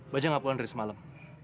bajak nggak pulang dari semalam